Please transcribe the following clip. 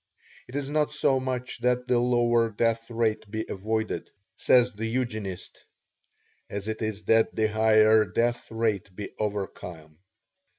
It is not so much that the lower death rate be avoided, says the Eugenist, as it is that the higher death rate be overcome.